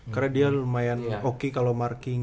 karena dia lumayan oke kalo marking